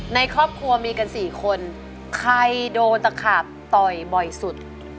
ในครอบครัวมีกันสี่คนใครโดนตะขาบต่อยบ่อยสุด